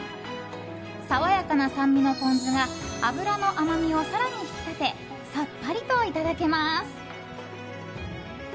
爽やかな酸味のポン酢が脂の甘みを更に引き立てさっぱりといただけます。